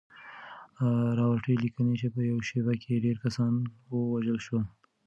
راورټي ليکي چې په يوه شپه کې ډېر کسان ووژل شول.